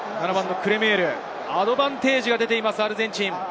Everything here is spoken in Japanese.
アドバンテージが出ています、アルゼンチン。